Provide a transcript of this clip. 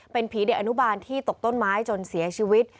เป็นผีเด็กอนุบาลที่ตกต้นไม้จนเสียชีวิต